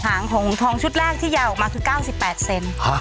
หางของทองชุดแรกที่ยาวออกมาคือ๙๘เซน